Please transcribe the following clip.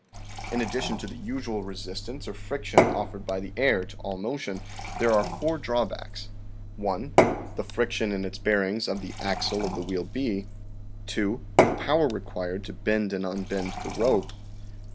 In addition to the usual resistance or friction offered by the air to all motion, there are four drawbacks : 1. The friction in its bearings of the axle of the wheel B. 2. The power required to bend and unbend the rope.